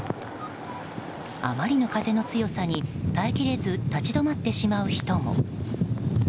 あまりの風の強さに耐え切れず立ち止まってしまう人も。